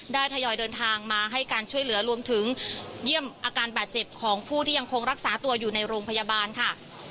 ทยอยเดินทางมาให้การช่วยเหลือรวมถึงเยี่ยมอาการบาดเจ็บของผู้ที่ยังคงรักษาตัวอยู่ในโรงพยาบาลค่ะ